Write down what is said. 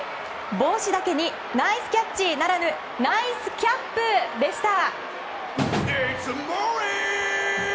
帽子だけにナイスキャッチならぬナイスキャップ！でした。